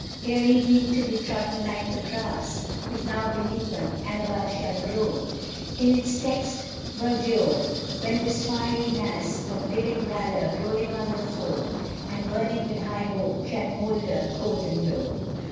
Ere evening to be trodden like the grass Which now beneath them, but above shall grow In its next verdure, when this fiery mass Of living valor, rolling on the foe, And burning with high hope, shall molder cold and low.